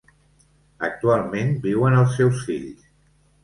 Actualment viuen els seus fills.